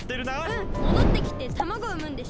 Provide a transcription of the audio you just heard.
うんもどってきて卵をうむんでしょ。